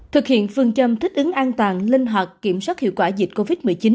thực hiện phương châm thích ứng an toàn linh hoạt kiểm soát hiệu quả dịch covid một mươi chín